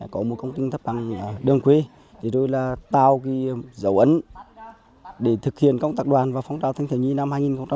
có một công trình thắp sáng đường quê rồi là tạo dấu ấn để thực hiện công tác đoàn và phóng trào thanh thần nhiên năm hai nghìn một mươi bảy